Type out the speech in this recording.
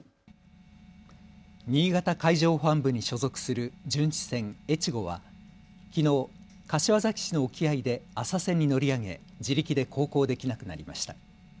新潟海上保安部に所属する巡視船えちごはきのう柏崎市の沖合で浅瀬に乗り上げ自力で航行できなくなりました。